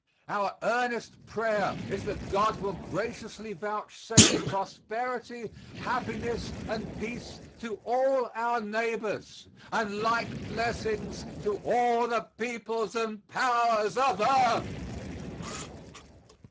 Our earnest prayer is that God will graciously vouchsafe prosperity, happiness and peace to all our neighbors, and like blessings to all the peoples and powers of earth.